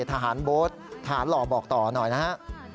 ทหารโบ๊ททหารหล่อบอกต่อหน่อยนะครับ